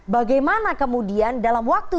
bagaimana kemudian dalam waktu